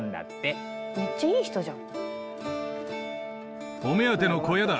めっちゃいい人じゃん。